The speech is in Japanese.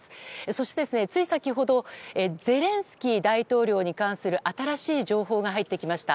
そして、つい先ほどゼレンスキー大統領に関する新しい情報が入ってきました。